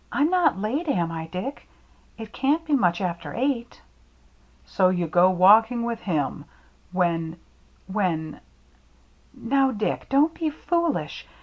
88 THE MERRT ANNE "Tni not late, am I, Dick? It can't be much after eight." "So you go walking with him, when — when —"" Now, Dick, don't be foolish.